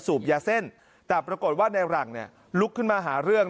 ยาเส้นแต่ปรากฏว่าในหลังเนี่ยลุกขึ้นมาหาเรื่อง